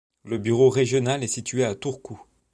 Le bureau régional est situé à Turku.